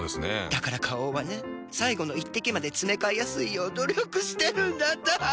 だから花王はね最後の一滴までつめかえやすいよう努力してるんだって。